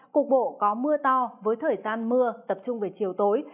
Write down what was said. cục bộ có mưa to với thời gian mưa tập trung về chiều tối